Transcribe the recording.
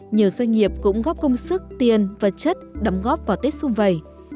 nhiều doanh nghiệp cũng góp công sức tiền vật chất đóng góp vào tết xung vầy